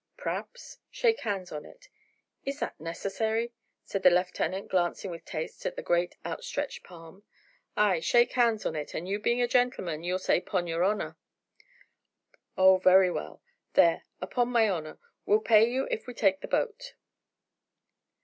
"P'raps. Shake hands on it." "Is that necessary?" said the lieutenant, glancing with distaste at the great outstretched palm. "Ay, shake hands on it, and you being a gentleman, you'll say, 'pon your honour." "Oh, very well. There, upon my honour, we'll pay you if we take the boat."